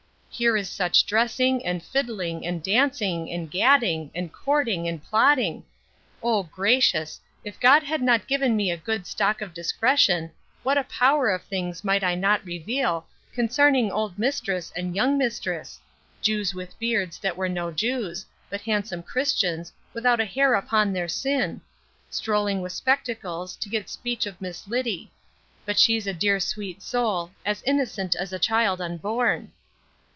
Here is such dressing, and fidling, and dancing, and gadding, and courting and plotting O gracious! if God had not given me a good stock of discretion, what a power of things might not I reveal, consarning old mistress and young mistress; Jews with beards that were no Jews; but handsome Christians, without a hair upon their sin, strolling with spectacles, to get speech of Miss Liddy. But she's a dear sweet soul, as innocent as the child unborn.